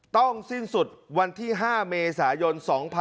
สิ้นสุดวันที่๕เมษายน๒๕๖๒